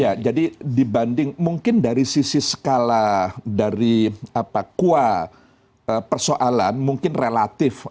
ya jadi dibanding mungkin dari sisi skala dari kua persoalan mungkin relatif